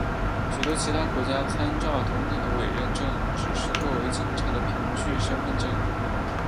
许多其他国家参照同等的委任证只是作为警察的凭据身份证。